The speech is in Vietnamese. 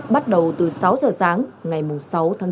bắt đầu từ sáu giờ sáng ngày sáu tháng chín